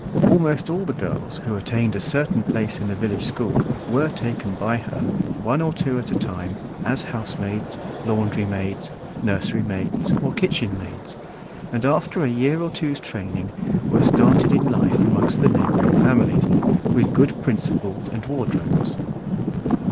Almost all the girls who attained a certain place in the village school were taken by her, one or two at a time, as housemaids, laundrymaids, nurserymaids, or kitchenmaids, and after a year or two's training were started in life amongst the neighbouring families, with good principles and wardrobes.